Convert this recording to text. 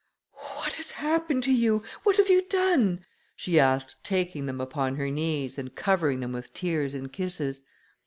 "What has happened to you? What have you done?" she asked, taking them upon her knees, and covering them with tears and kisses.